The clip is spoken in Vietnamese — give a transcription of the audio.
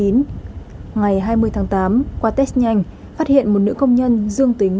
ngày hai mươi tháng tám qua test nhanh phát hiện một nữ công nhân